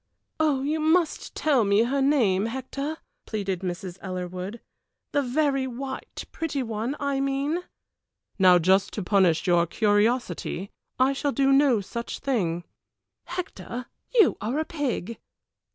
"You must tell me her name, Hector," pleaded Mrs. Ellerwood; "the very white, pretty one I mean." "Now just to punish your curiosity I shall do no such thing." "Hector, you are a pig."